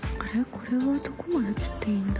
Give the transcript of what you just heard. これはどこまで切っていいんだ？